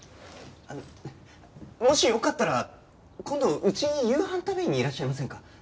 あのもしよかったら今度うちに夕飯食べにいらっしゃいませんか？